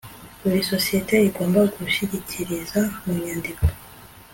Buri sosiyete igomba gushyikiriza mu nyandiko